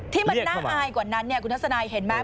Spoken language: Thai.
ที่มันน่าอายกว่านั้นเนี่ยคุณทัศนายเห็นไหม